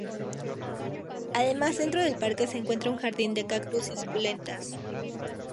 Además, dentro del parque se encuentra un "Jardín de Cactus y Suculentas".